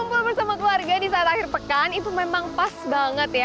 kumpul bersama keluarga di saat akhir pekan itu memang pas banget ya